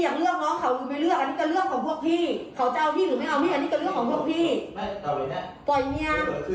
ฉันสลับให้โอเคไหมตามที่เกียร์ต้องการ